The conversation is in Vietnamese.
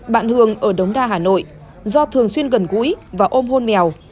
bạn hường ở đống đa hà nội do thường xuyên gần gũi và ôm hôn mèo